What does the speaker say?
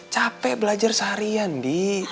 capek belajar seharian bi